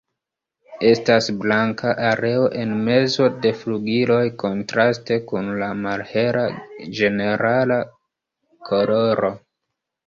Estas blanka areo en mezo de flugiloj kontraste kun la malhela ĝenerala koloro.